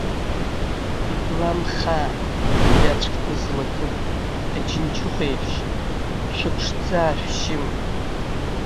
Иблаамхааит, уи аӡәк дызлакылам, аџьынџьыхәа еиԥш шәыҽӡаашәшьма!